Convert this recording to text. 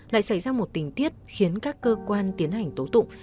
lại xảy ra một tình tiết khiến các cơ quan tiến hành tố tụng